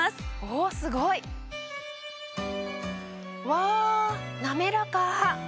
おすごい！わなめらか！